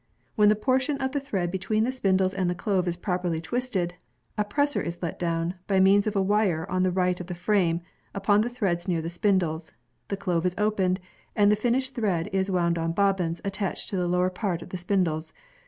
When the portion of the thread between the spindles and the clove is properly twisted, a presser is let down, by means of tho wire on the right of the frame, upon the threads near the spindles, the clove is opened, and the finisha^ thread is wound on bobbins attached to the lower part of the QMiidles.